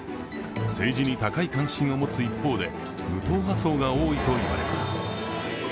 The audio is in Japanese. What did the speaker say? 政治に高い関心を持つ一方で無党派層が多いといわれます。